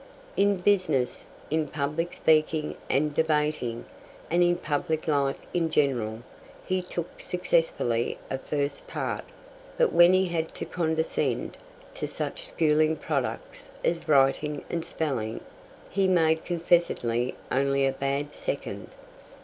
In business, in public speaking and debating, and in public life in general, he took successfully a first part; but when he had to condescend to such schooling products as writing and spelling, he made confessedly only a bad second.